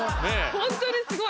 ホントにすごい。